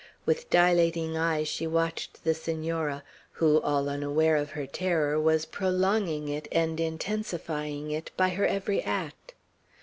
With dilating eyes she watched the Senora, who, all unaware of her terror, was prolonging it and intensifying it by her every act.